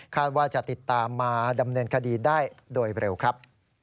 ว่าจะติดตามมาดำเนินคดีได้โดยเร็วครับ